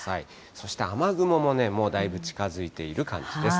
そして雨雲も、もうだいぶ近づいている感じです。